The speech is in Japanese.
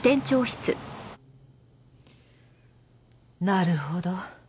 なるほど。